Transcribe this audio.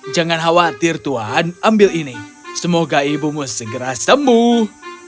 jangan khawatir tuhan ambil ini semoga ibumu segera sembuh